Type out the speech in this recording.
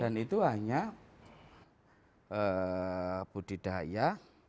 dan itu hanya budidaya